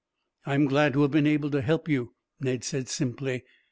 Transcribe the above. "I am glad to have been able to help you," Ned said simply.